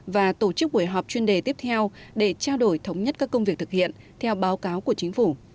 và tổ chức buổi họp chuyên đề tiếp theo để trao đổi thống nhất các công việc thực hiện theo báo cáo của chính phủ